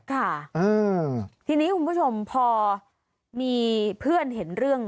ค่ะทีนี้คุณผู้ชมพอมีเพื่อนเห็นเรื่อง